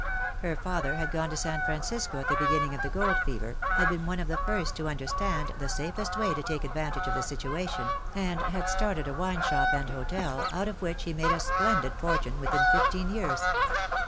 Her father had gone to San Francisco at the beginning of the gold fever, had been one of the first to understand the safest way to take ad vantage of the situation, and had started a wine shop and hotel, out of which he made a splendid fortune within fifteen years.